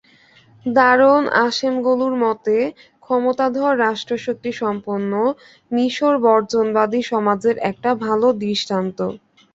দারন আসেমগলুর মতে, ক্ষমতাধর রাষ্ট্রশক্তিসম্পন্ন মিসর বর্জনবাদী সমাজের একটা ভালো দৃষ্টান্ত।